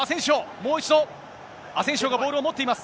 もう一度、アセンシオがボールを持っています。